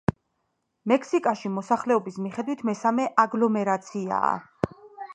მექსიკაში მოსახლეობის მიხედვით მესამე აგლომერაციაა.